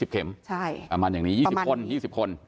๒๐เข็มประมาณอย่างนี้๒๐คน